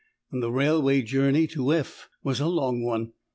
And the railway journey to F was a long one.